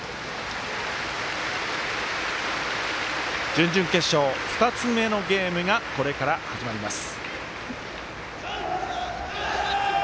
準々決勝、２つ目のゲームがこれから始まります。